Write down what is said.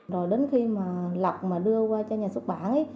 rồi đến khi mà lọc mà đưa qua cho nhà xuất bản